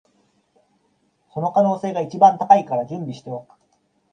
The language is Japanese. その可能性が一番高いから準備しておく